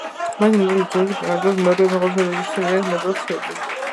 ლაიზა მინელი ჯუდი გარლანდს მეორე მეუღლისგან რეჟისორი ვინსენტ მინელისგან შეეძინა.